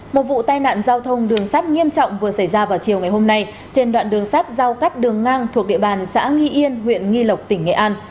một vụ tai nạn giao thông đường sắt nghiêm trọng vừa xảy ra vào chiều ngày hôm nay trên đoạn đường sắt giao cắt đường ngang thuộc địa bàn xã nghi yên huyện nghi lộc tỉnh nghệ an